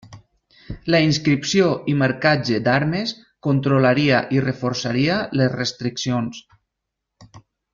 La inscripció i marcatge d'armes controlaria i reforçaria les restriccions.